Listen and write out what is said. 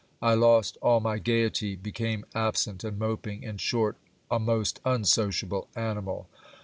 I lost all my gaiety, became absent and moping, — in short, a most unsociable animal.